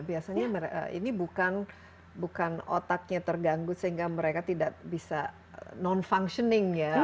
biasanya ini bukan otaknya terganggu sehingga mereka tidak bisa non functioning ya